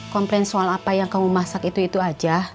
komplain soal apa yang kamu masak itu itu aja